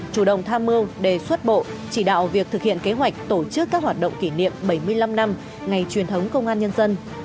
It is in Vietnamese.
chủ động tham mưu đề xuất bộ chỉ đạo việc thực hiện kế hoạch tổ chức các hoạt động kỷ niệm bảy mươi năm năm ngày truyền thống công an nhân dân